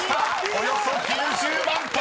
およそ９０万ｔ！］